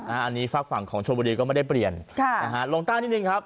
อันนี้ฝั่งของชนบุรีก็ไม่ได้เปลี่ยนลงตั้งนิดนึงครับ